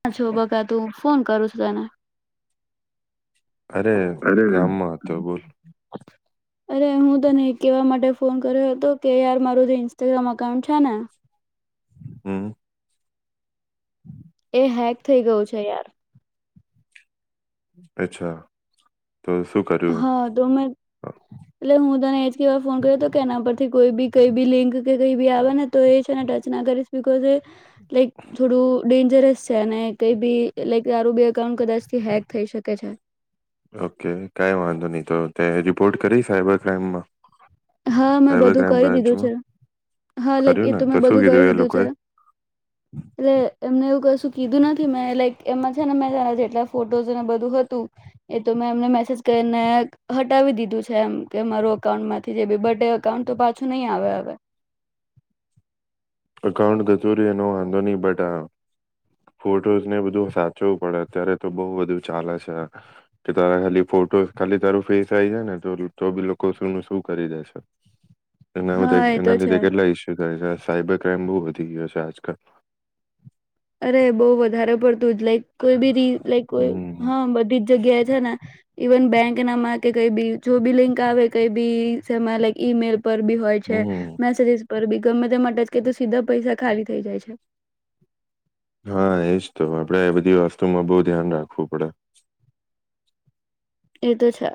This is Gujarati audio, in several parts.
ક્યાં છો બકા તું ફોન કરુ છું તને અરે અરે કામમાં હતો બોલ. અરે હું તને એ કહેવા માટે ફોન કર્યો હતો કે યાર મારું જે ઇન્સ્ટાગ્રામ અકાઉન્ટ છે ને હમ્મ. હમ. એ હેક થઈ ગયું છે યાર. અચ્છા. તો શું કર્યું હા તો મે એટલે હું તને એજ કેવા ફોન કર્યો તો કે એના પર કોઈ બી કઈ બી લિંક કઈ ભી આવે ને તો એ જ ને ટચ ના કરીશ બિકોઝ એ લાઈક થોડું ડેન જર જ સે અને કઈ બી લાઈક તારું બી અકાઉન્ટ કદાચથી હેક થઈ શકે છે. ઓકે કઈ વાંધો નહી તો તે રિપોર્ટ કરી સાયબર ક્રાઈમમાં? હા મેં બધું કરી દીધું છે હા લાઈક એ કર્યું ને તો મેં શું બધું કરી કીધું એ દીધું છે લોકોએ એટલે એમને એવું કશું કીધું નથી મેં લાઈક એમાં છે ને મેં ત જેટલા ફોટોસ ને બધું હતું એ તો મેં એમને મેસેજ કરીને હટાવી દીધું છે એમ કે મારું અકાઉન્ટમાં જે બી બટ અકાઉન્ટ તો પાછું નહી આવે હવે અકાઉન્ટ કચૂરી એનો વાંધો નહી બટ ફોટોસને બધું સાચવું પડે અત્યારે તો બઉ બધું ચાલે છે કે તારા ખાલી ફોટોસ ખાલી તારું ફેસ આ જાય ને તો તો બી લોકો શું ન શું કરી દેશે હા એ [unintelligible] એના તો છે લીધે કેટલા ઇસ્યુ [unintelligible] સાયબર સકેમ વધી ગયો છે આજકાલ. અરે બો વધારે પડ તું લાઈક કોઈ બી રી લાઈક કોઈ હમ હા બધી જ જગ્યાએ છે ને ઇવન બેંક નામાં કે કઈ બી જો બી લિંક આવે કઈ બીમાં લાઈક ઈમેલ પર બી હોય છે હમ મેસેજસ પર બી ગમે તે માટે જ ક તો સીધા પૈસા ખાલી થઇ જાય છે. હા એજ તો આપડે એ બધી વસ્તુમાં બહુ ધ્યાન રાખવું પડે. એ તો છે.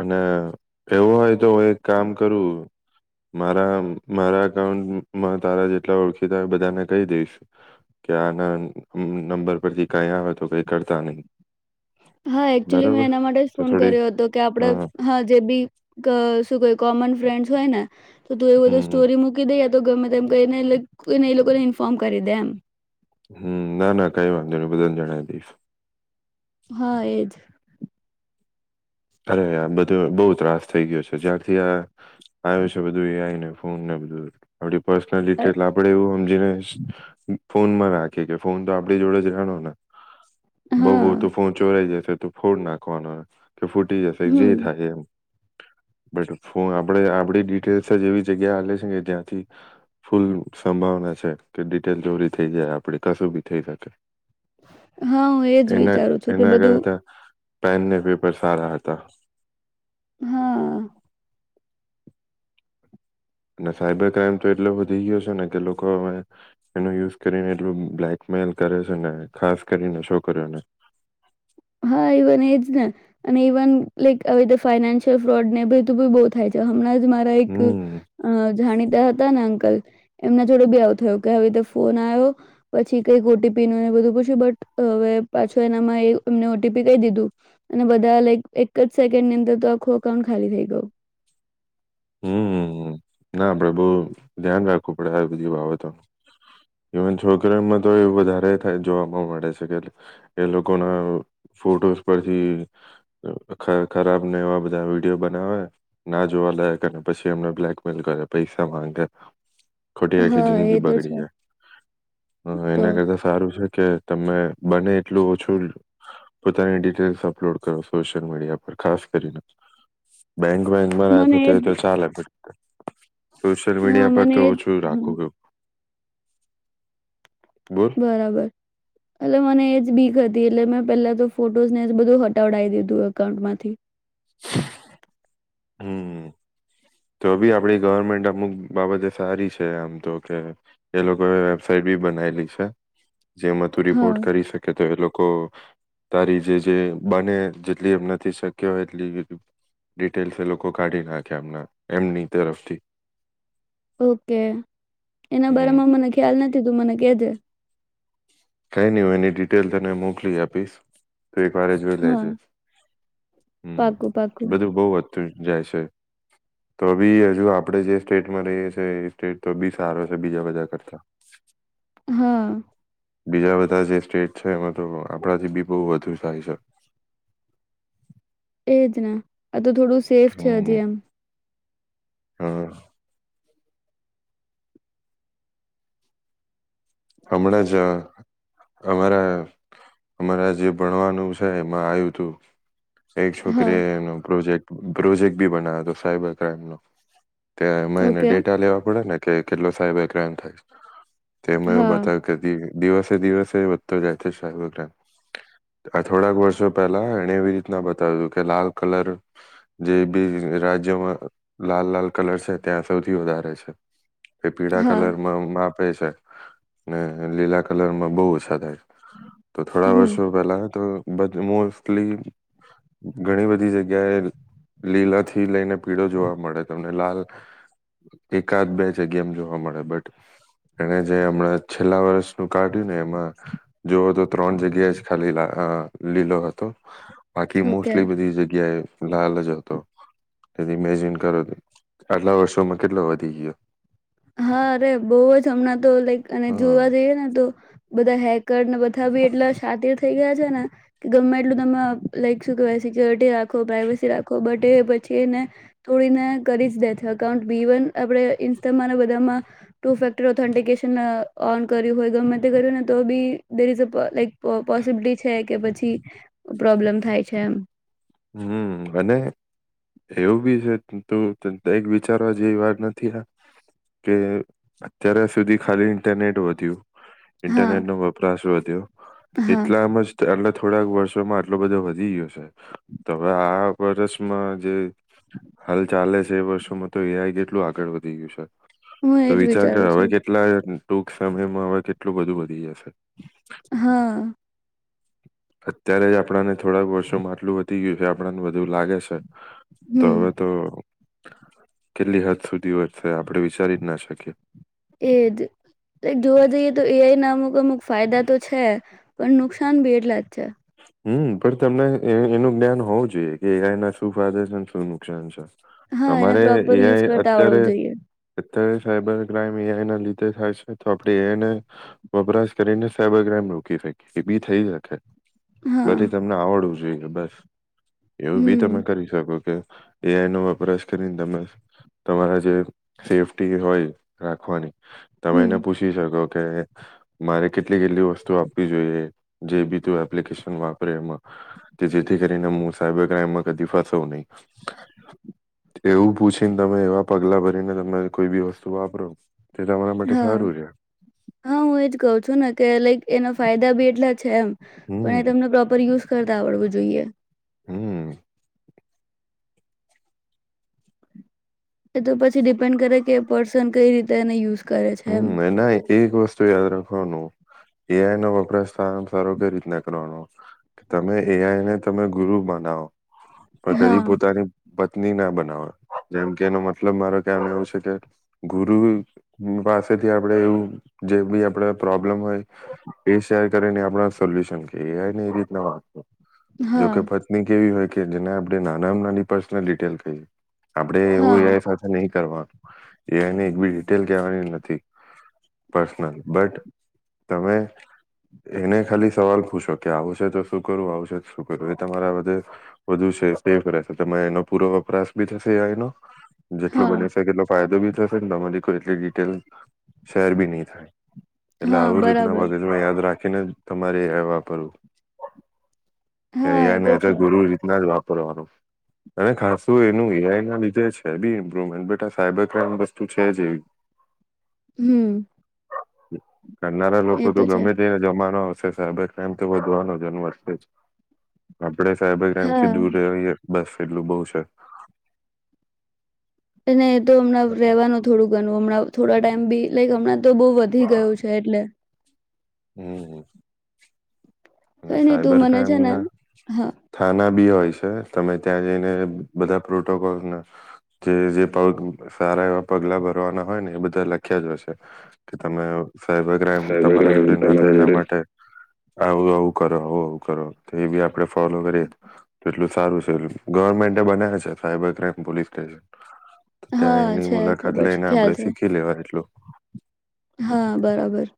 અને એવું હોય તો હું એક કામ કરું મારા મારા અઉન્ટમાં તારા જેટલા ઓળખીતા બધાને કહી દઈશ કે આના નંબર પરથી કઈ આવે તો કઈ કરતા ની હા એક્ચુઅલી મેં એના માટે જ તો ફોન થોડી કર્યો હતો કે આપડે હા જે બી શું ક કોમન ફ્રેન્ડ્સ હોય ન તો તું એ બધું હમ સ્ટોરી મૂકી દઈં તો ગમે એમ કહીનેને એ લોકોને ઇન્ફોર્મ કરી દે એમ હમ ના ના કઈ વાંધો નહી બધાને જણાય દીશ હા એજ અરે બધું બહુ ત્રાસ થઈ ગયો છે જ્યારથી આ આવ્યું છે બધું એ એઆઇ ન ફોનને બધું ડી પર્સનલ ડિટેલ આપડે એવું સમજીને ફોન માં રાખી કે ફોન તો આપડી જોડે જ રહેનો ને બઉ હા બઉ તો ફોન ચોરાઈ જશે ફોડ નાખવાનું કે ફૂટી જશે જે હમ થાય એમ બટ ફોન આપડે આપડી ડિટેલ્સ જ એવી જગ્યા હા લે છે કે જ્યાંથી ફૂલ સંભાવના છે કે ડિટેલ ચોરી થઈ જાય આપડી કશું ભી થઈ શકે હા હું એજ વિચારું છું કે બધું પહેનને સારા હતા હા અને સાયબર ક્રાઈમ તો એટલો વધી ગયો છે ને કે લોકો હવે એનો યુઝ કરીને એટલું બ્લેકમેલ કરે છે ને ખાસ કરીને છોકરીઓને હા ઇવન એજ ને અને ઇવન લાઈક હવે ફાઈનાન્શિયલ ફ્રોડ ને બી તું બી બહુ થાય છે હમણાં જ મારા એક હમ જાણી હતા ને અંકલ એમના જોડે બી આવ થયો કે હવે ફોન આવ્યો પછી કઈક ઓટી પી ન બધું પૂછ્યું બટ હવે પાછો એનામાં એ તમને ઓટીપી કહી દીધું અને બધા લાઈક એક જ સેકન્ડ ની અંદર તો આખું અકાઉન્ટ ખાલી થઈ ગયું હમ ના આપડે બહુ ધ્યાન રાખવું પડે આ બધી બાબતો ઇવન છોકરીઓમાં તો એ વધારે થાય જોવા મળે છે કે એ લોકો ના ફોટોસ પરથી ખરાબને એવા બધા વિડીયો બનાવે ના જોવા લાયક અને પછી એમને બ્લેકમેલ કરે પૈસા માંગે ખોટી આખી હા એ જિંદગી તો બગડી છે જાય તો એના કરતા સારું છે. કે તમે બને એટલું ઓછું પોતાની ડિટેલ્સ અપલોડ કરો સોશિયલ મીડિયા પર ખાસ કરીને બેંક બેંકમાં મને રાખે તો એજ તો ચાલે [inaudible] સોશિયલ હા મીડિયા પર મને તો એજ ઓછું હમ રાખું હુ બરાબર એટલે મને એજ બી હતી એટલે મેં પેલા તો ફોટોસને બધું હટડાવી દીધું એકાઉન્ટમાંથી [inaudible] હમ તો બી આપડી ગવર્મેન્ટ અમુક બાબતે સારી છે આમ તો કે એ લોકોએ વેબસાાઈટ બી બનાવેલી છે. જેમાં તું હા રિપોર્ટ કરી શકે તો એ લોકો તારી જે જે બને જેટલી એમ નથી શક્ય એટલી ડિટેલસ એ લોકો કાઢી નાખે એમના એમની તરફથી ઓ કે એના હમ બારામાં મને ખ્યાલ નથી, તું મને કેજે. કંઈ ની હુ એની ડિટેલ તને મોકલી આપીશ. તુ એક વાર એ જોઈ હા લેજે, હમ પાકું પાકું બધું બઉ જ તુ જાય છે, તો બી અજુ આપણે જે સ્ટેટમાં રહીએ છે એ સ્ટેટ તો બી સારો છે બીજા બધા કરતા. હાં. બીજા બધા જે સ્ટેટ છે એમાં તો આપણાથી બી બઉ વધુ થાય છે. એજ ને [unintelligible] થોડું સેફ છે હમ હજી એમ હા. હમણાં જ અમારા અમારા જે ભણવાનું છે એમાં આય્વુ તુ એક હા છોકરી એ એનુ પ્રોજેક્ટ પ્રોજેક્ટ બી બનાય્વો તો સાઈબર ક્રાઈમનો. ત્યાં એમાં એને ઓકે ડેટા લેવા પડે ને! કે કેટલો સાયબર ક્રાઈમ થાય છે. તેમાં હા [unintelligible] દિવસે દિવસે વધતો જાય છે સાયલરક્રાઈમ, આ થોડાક વર્ષો પહેલા એણે એવી રીતના બતાવ્યું કે લાલ કલર જે બી રાજ્યોમાં લાલ લાલ કલર છે ત્યાં સૌથી વધારે છે. એ પીળા હા કલરમાં મા પે છે. ને લીલા કલરમાં બઉ ઓછા થાય. તો થોડા હમ વર્ષો પેલા તો બધુ મોસ્ટલી ઘણી બધી જગ્યાએ લીલા થી લઈને પીળો જોવા મળે, તમને લાલ એકાદ બે જગ્યામ જોવા મળે બટ એણે જે અમણાં જ છેલ્લા વર્ષનું કાઢ્યું ને એમાં જુવો તો ત્રણ જગ્યાએ જ ખાલી લા લીલો હતો. બાકી ઓકે મોસ્ટલી બધી જગ્યાએ લાલ જ હતો, તેથી ઇમેજિન કરો કે આટલા વર્ષોમાં કેટલો વધી ગ્યો. હા, અરે બઉ જ, હમણાં તો લાઈક અને હા જોવા જઈએ ને તો બધ હેક કરને બધા બી એટલા શાતિર થઈ ગયા છે છે ને કે એટલું તમે આ લાઈક સુ કેવાય સિક્યોરિટી રાખો, પ્રાઈવસી રાખો, બટ એ પછી એને થોડીને કરી જ દે થકાઉન્ટ બી ઈવન આપડે ઈ તમારા બધામાં ટુ ફેક્ટર ઓથેન્ટિકેશન ઓન કર્યું હોય ગમે તે કર્યું ને તો બી ધેર ઇઝ અ પ લાઈક પ પોસિબિલિટી છે કે પછી પ્રોબ્લેમ થાય છે એમ હમમ અને એવું બી છે તું એક વિચારવા જેવી વાત નથી આ કે અત્યાર સુધી ખાલી ઇન્ટરનેટ વધ્યું. હા ઇન્ટરનેટ નો વપરાશ વઅ તે હા એટલા માં જ [unintelligible] થોડાક વર્ષોમાં આટલો બધો વધી ગયો છે. હવે આ વર્ષમાં જે હાલ ચાલે છે એ વર્ષોમાં તો એ આઈ કેટલું આગળ વધી ગયું છે. હું તો એજ વિચાર કર વિચારું હવે છું કેટલા ટૂંક સમયમાં હવે કેટલું બધું વધી જશે. હા અત્યારે જ આપણાને થોડાક વર્ષો માં આટલું થય ગયું કે આપણને બધું લાગે છે. તો હમ હવે તો કેટલી હદ સુધી વધશે આપણે વિચારી જ ના શકીએ. એ જ જોવા જઈએ તો એ આઈ ના અમુક અમુક ફાયદા તો છે પણ નુકસાન બી એટલા જ છે. હમમ પણ તમને એનું જ્ઞાન હોવું જોઈએ કે એ આય ના શું ફાયદા છેને શું નુકસાન છે. હા એને તમારે પ્રોપર એ યુઝ આય કરતા અત્યારે આવડવું જોઈએ અત્યારે સાયબર ક્રાઈમ એ આય ના લીધે થાય છે તો આપણેે એ આય ના વપરાશ કરીને સાયબર ક્રાઈમ રોકી શકીએ એ બી થઈ શકે. હા પછી તમને આવડવું જ જોઈએ બસ એવું બી તમે હમ કરી શકો કે એ આઈ નો વપરાશ કરીને તમે તમારા જે સેફ્ટી હોય રાખવાની તમે એને હમ પૂછી શકો કે મારે કેટલી કેટલી વસ્તુ આપવી જોઈએ જે બી તું એપ્લિકેશન વાપરે એમાં કે જેથી કરીને હું સાયબર ક્રાઈમમાં કદી ફસાવ નહી એવું પૂછીને તમે એવા પગલા ભરીને તમે કોઈ બી વસ્તુ વાપરો તે તમારા માટે હા સારું રે હા હું એજ કઉ છું ને કે લાઈક એના ફાયદા દા બી એટલા છે એમ હમ પણ એ તમને પ્રોપર યુઝ કરતા આવડવું જોઈએ. હમમ એ તો પછી ડિપેન્ડ કરે કે પર્સન કઈ રીતે એને યુઝ કરે છે એમ હમ એના એક વસ્તુ યાદ રાખવાનું એ આઈ નો વપરાશ સારોમાં સારો કઈ રીતના કરવાનો કે તમે એઆઈ ને તમે ગુરુ બનાવો. પણ હા કદી પોતાની પત્ની ના બનાવા જેમ કે એનો મતલબ મારો કહેવા માંગું છું કે ગુરુ પાસેથી આપડે જે બી આપડ પ્રોબ્લેમ હોય એ શેર કરીને આપણા સોલ્યુશન કે એ આય ને એવી રીતના વાપરો. જો હા કે પત્ની કેવી હોય કે જેને આપણે નાનામાં નાની પર્સનલ ડિટેલ કહીએ. આપડે હા એવું એ આય સાથે નય્ કરવાનું, એને એકિલ કહેવાની નથી, પર્સનલ બટ તમે એને ખાલી સવાલ પૂછો કે આવશે તો શું કરું આવશે તો શું કરું એ તમારા બધે, વધુ છે સેફ રહેશે ત એનો પૂરો વપરાશ બી થશે એનો. જેટલો હા બની શકે કેટલો ફાયદો બી ફર દવામાંજી કોઈ ડીટેલ શેર બી નહી થાય. એલા હા આવ રીતે બરાબર નાયાદ કેને તમારે એવાપરવું હા કાર એ ને તો છે ગુરુ રીતના જ વાપર રનું, અને ખાસું એનું એઆઈ ના લીધે છે બી ઇમ્પ્રુવમેન્ટ બ આ સાયબર ક્રાઈમ વસ્તુ છે જ એવી. હમ કરનારા લોકો એ તો છે ગમે તેને જમાનો સાબે એમ તો વધવાનો જન્મ કે સાહેબ ગ્રમથી હા દૂર રહ્યો હોઈ છે. બસ એટલું બહ છે. અને તો હમણાં રહેવાનું થોડું ઘણું હમણાં થોડા ટાઈમ બી લાઈક હમણાં તો બહુ વધી ગયું છે એટલે. હમ હમ. કઈ નહી તું મના છે ના હા. થાના બી હોય છે તમે ત્યાં જઈને બધા પ્રોટોકોલના, જે જે પ સારા એવા પગલા ભરવાના હોય ને એ બધા લખ્યા જ હશે, કે તમે સાયબર ક્રાઈમ સાયબર તમારા ક્રાઈમ જોડે ના થાય તમારા એના જોડે માટે હ [unintelligible] કર હો કરો બી આપ આપણે ફોલો કરીએ, તો એટલું સારું છે એ ગવર્મેન્ટ બનાવ છે સાયબર ક્રાઈમ પોલીસ સ્ટેશન. ત્યાં હા એની છે મુલાકાત ખબર છે લઈને ખ્યાલ આપડે છે શીખી લેવા એટલું હા બરાબર.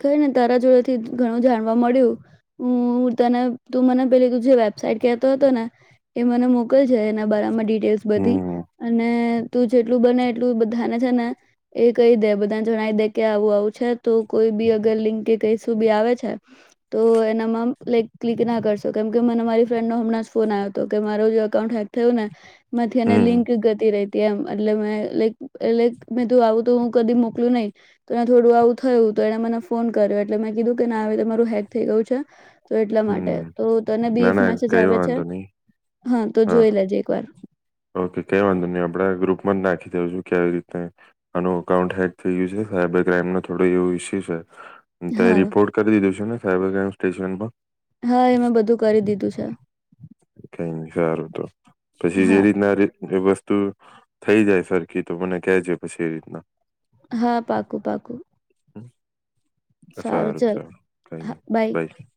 ખઈ ને તારા જોડે થી ઘણું જાણવા મળ્યું, હું તને તું મને પેલી ત જે વેબસાાઈટ કેહેતો હતો ને, એ મને મોકલ છે એના બરાામાં ટેસ્ટ બધી, હમ અને તું જેટલું બને એટલું બધાને છે ને, એ કહી દે બધાને જણાવી દે કે આવું આવું છે ત કોઈ બી અગર લિંક કે કઈ શું બી આવે છે, તો એનામાં લક ક્લિક ના કરશો કેમકે મને મારી ફ્રેન્ડ નો હમણાં જ ફોન આવ્યો હતો કે મારો જે એકકાઉન્ટ હેક થયું ને. મધ એના હમ લિંક ગતિ ર ત્યા એટલે મે લક મે તું આવું તો હું કદી મોકલું નહી, તો થોડું આવું થયું. તો એટ મને ફોન કર એટલેં કીધું ના આવે તમારું હેક થઈ ગઉ છે. તો એટલા માટે હમ તો તને ના બીફ ના મેસેજ કઈ આવે છે, વાંધો નહી હા તો જોઈ લેજે એક વાર. ઓકે કઈ વાંધો નહી આપણેે ગ્રુપમાં જ નાખી દઉં છું કે આવી રીતે આનું અકાઉન્ટ હેક થયું છે ને સાયબર ક્રાઈમ નો થોડો એવું ઇસ્યુ છે ત હા રિપોર્ટ કરી દીધો છે ને સાયબર ક્રાઈમ સ્ટેશનમાં હા એ મેં બધું કરી દીધું છે કઈ ન સારું તો પછી જે હા રીતના વ તું થઈ જાય સરખી તો મને ક છે પછી એ રીતના હા પાકું પાકું હમ સારું સારું કઈ હા નહી બાય ભાઈ